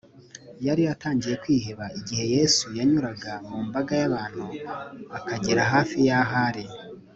yari atangiye kwiheba igihe yesu yanyuraga mu mbaga y’abantu akagera hafi y’aho ari